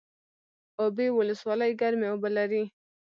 اوبې ولسوالۍ ګرمې اوبه لري؟